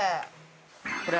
これ。